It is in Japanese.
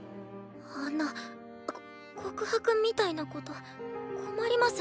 あんなこ告白みたいなこと困ります。